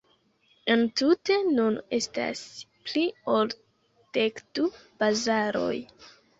Entute nun estas pli ol dekdu bazaroj.